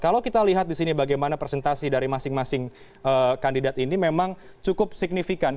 kalau kita lihat di sini bagaimana presentasi dari masing masing kandidat ini memang cukup signifikan